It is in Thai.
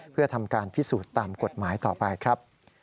เพื่อทำการพิสูจน์ตามกฎหมายต่อไปครับ